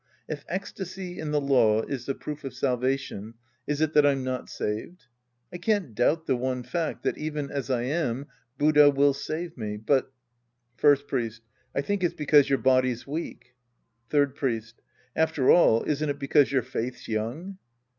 If ecstasy in the law is the proof of salvation, is it that I'm not saved ? I can't doubt the one fact that, even as I am, Buddha will save me, but — First Priest. I think it's because your body's weak. Third Priest. After all, isn't it because your faith's young